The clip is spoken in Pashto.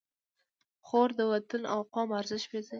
خور د وطن او قوم ارزښت پېژني.